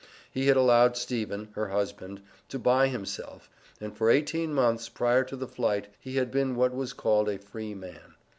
He had allowed Stephen (her husband) to buy himself, and for eighteen months prior to the flight, he had been what was called a free man.